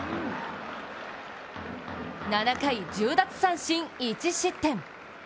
７回１０奪三振、１失点。